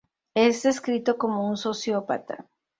Es descrito como un sociópata.